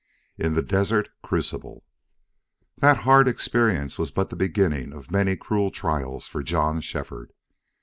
IN THE DESERT CRUCIBLE That hard experience was but the beginning of many cruel trials for John Shefford.